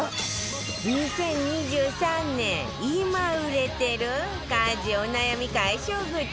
２０２３年今売れてる家事お悩み解消グッズ